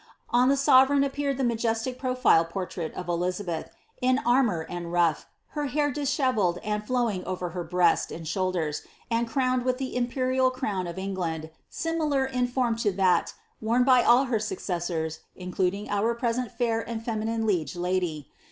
On the sovereign appeared the majestic profile portrait of Elizabeth, in armour and rufif, her hair dishevelled and fiowing over her breast and shoulders, and crowned with the imperial crown of England, similar in form to that vera by all her successors, including our present fair and feminine liege lady.